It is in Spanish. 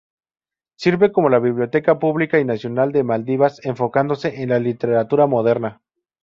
Sirve como la Biblioteca pública y nacional de Maldivas, enfocándose en la literatura moderna.